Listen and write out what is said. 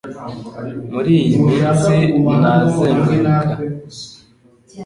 Muri iyi minsi, ntazenguruka.